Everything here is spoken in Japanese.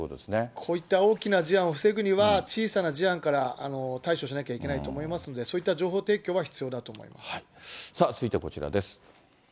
こういった大きな事案を防ぐには、小さな事案から対処しなきゃいけないと思いますんで、そういったさあ、続いてはこちらです。